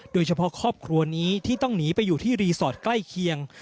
โดยเฉพาะครอบครัวนี้ที่ต้องหนีไปอยู่ที่รีสอร์ทใกล้เคียง